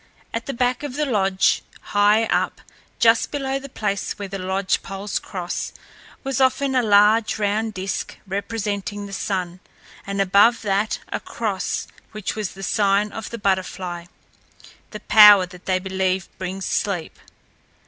At the back of the lodge, high up, just below the place where the lodge poles cross, was often a large round disk representing the sun, and above that a cross, which was the sign of the butterfly, the power that they believe brings sleep.